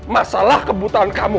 masalah kebutuhan kamu